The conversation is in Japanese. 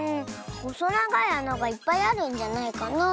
ほそながいあながいっぱいあるんじゃないかなあって。